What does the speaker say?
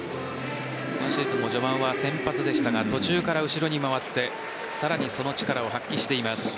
今シーズンも序盤は先発でしたが途中から後ろに回ってさらにその力を発揮しています。